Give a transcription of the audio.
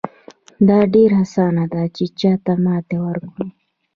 دا ډېره اسانه ده چې چاته ماتې ورکړو.